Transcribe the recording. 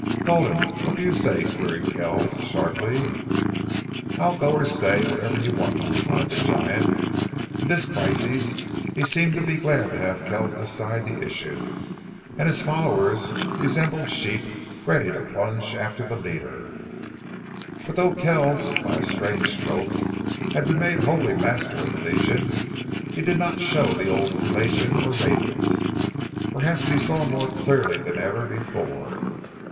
"Gulden, what do you say?" queried Kells, sharply. "I'll go or stay whatever you want," replied the giant. In this crisis he seemed to be glad to have Kells decide the issue. And his followers resembled sheep ready to plunge after the leader. But though Kells, by a strange stroke, had been made wholly master of the Legion, he did not show the old elation or radiance. Perhaps he saw more clearly than ever before.